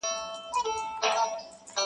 • پلار یې وکړه ورته ډېر نصیحتونه,